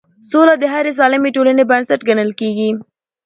سوله د هرې سالمې ټولنې بنسټ ګڼل کېږي